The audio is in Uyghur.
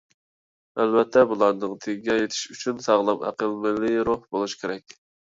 ئەلۋەتتە، بۇلارنىڭ تېگىگە يېتىش ئۈچۈن ساغلام ئەقىل، مىللىي روھ بولۇش كېرەك.